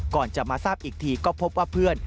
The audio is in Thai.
ก่อนจะมาทราบอีกทีก็พบว่าเพื่อน